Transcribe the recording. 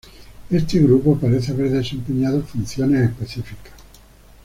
Este grupo parece haber desempeñado funciones específicas.